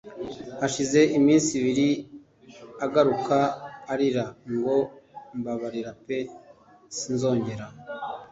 hashize iminsi ibiri agaruka arira ngo mbabarira pe sinzongera